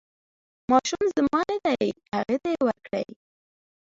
ماشوم زما نه دی هغې ته یې ورکړئ.